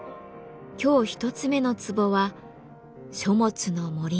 今日１つ目の壺は「書物の森に誘われ」。